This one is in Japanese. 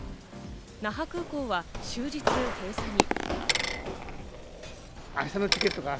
那覇空港は終日閉鎖に。